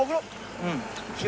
うん。